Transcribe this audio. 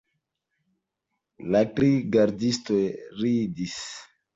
La tri gardistoj ridis.